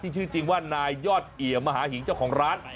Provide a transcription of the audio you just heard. ชื่อจริงว่านายยอดเอี่ยมมหาหิงเจ้าของร้าน